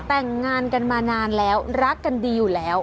แต่งงานกันมานานแล้วรักกันดีอยู่แล้ว